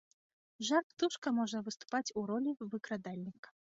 Жар-птушка можа выступаць у ролі выкрадальніка.